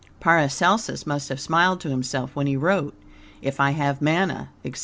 Paracelsus must have smiled to himself when he wrote "If I have manna," etc.